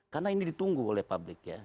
karena ini ditunggu oleh pak bursa